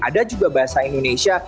ada juga bahasa indonesia